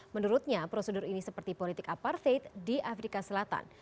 menurutnya prosedur ini seperti politik aparted di afrika selatan